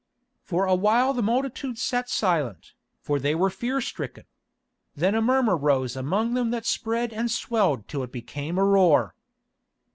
For a while the multitude sat silent, for they were fear stricken. Then a murmur rose among them that spread and swelled till it became a roar.